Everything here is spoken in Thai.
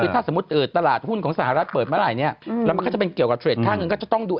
ถ้าสมมติตลาดหุ้นของสหรัฐเปิดเมื่อไหร่ก็จะเป็นเกี่ยวกับเทรด